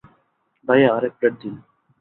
ভাইয়া, আরেক প্লেট দিন।